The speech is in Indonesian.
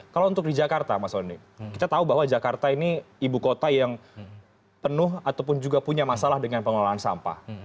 kalau untuk di jakarta mas oni kita tahu bahwa jakarta ini ibu kota yang penuh ataupun juga punya masalah dengan pengelolaan sampah